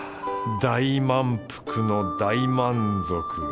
大満腹の大満足。